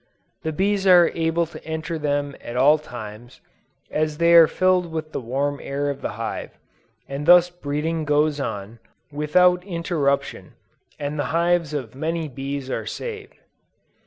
The bees are able to enter them at all times, as they are filled with the warm air of the hive, and thus breeding goes on, without interruption, and the lives of many bees are saved.